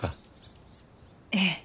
ええ。